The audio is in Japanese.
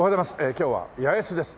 今日は八重洲です。